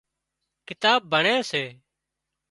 ڪتاب ڀڻي سي